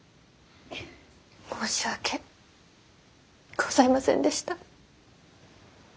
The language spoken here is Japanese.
申し訳ございませんでした。